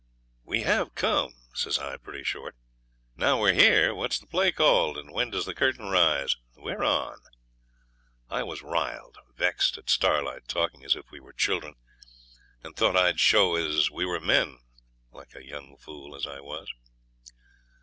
'We have come,' says I, pretty short. 'Now we're here what's the play called, and when does the curtain rise? We're on.' I was riled, vexed at Starlight talking as if we were children, and thought I'd show as we were men, like a young fool as I was.